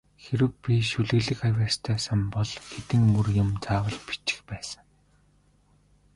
Хэрэв би шүлэглэх авьяастай сан бол хэдэн мөр юм заавал бичих байсан.